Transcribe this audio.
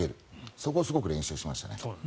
そこをすごく練習しましたね。